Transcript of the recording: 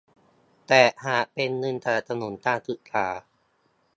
แต่หากเป็นเงินสนับสนุนการศึกษา